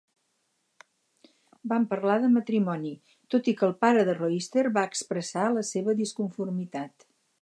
Van parlar de matrimoni, tot i que el pare de Royster va expressar la seva disconformitat.